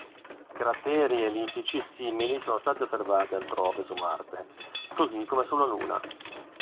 Crateri ellittici simili sono stati osservati altrove su Marte, così come sulla Luna.